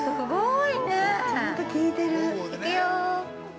◆すごーい。